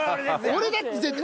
俺だって絶対。